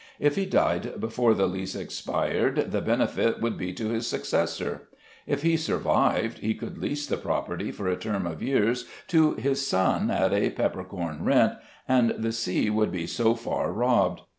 If he died before the lease expired the benefit would be to his successor. If he survived he could lease the property for a term of years to his son at a peppercorn rent, and the see would be so far robbed.